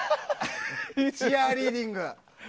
チアリーディング。